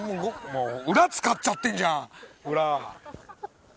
もう裏使っちゃってるじゃん裏。